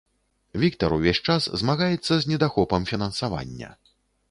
Віктар увесь час змагаецца з недахопам фінансавання.